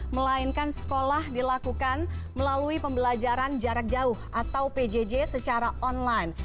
melainkan sekolah dilakukan melalui pembelajaran jarak jauh atau pjj secara online